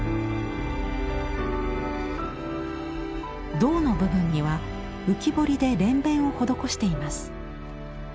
胴の部分には浮き彫りで蓮弁を施しています。